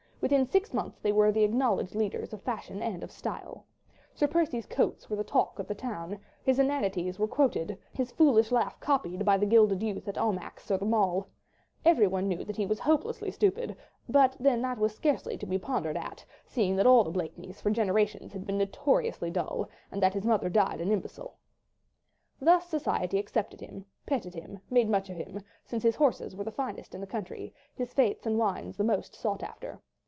Within six months they were the acknowledged leaders of fashion and of style. Sir Percy's coats were the talk of the town, his inanities were quoted, his foolish laugh copied by the gilded youth at Almack's or the Mall. Everyone knew that he was hopelessly stupid, but then that was scarcely to be wondered at, seeing that all the Blakeneys, for generations, had been notoriously dull, and that his mother had died an imbecile. Thus society accepted him, petted him, made much of him, since his horses were the finest in the country, his fêtes and wines the most sought after.